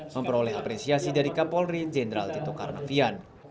memperoleh apresiasi dari kapolri jenderal tito karnavian